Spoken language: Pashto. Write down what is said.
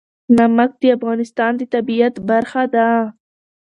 نمک د افغانستان د طبیعت برخه ده.